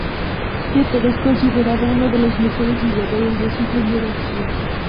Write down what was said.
Jeter es considerado uno de los mejores jugadores de su generación.